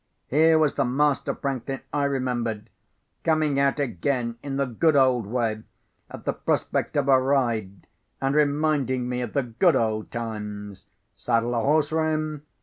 Here was the Master Franklin I remembered, coming out again in the good old way at the prospect of a ride, and reminding me of the good old times! Saddle a horse for him?